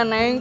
ikut ya neng